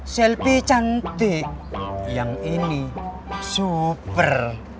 selfie cantik yang ini super